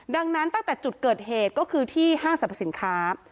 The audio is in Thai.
ดังนั้นตั้งแต่จุดเกิดเหตุก็คือที่ห้างสรรพสินค้า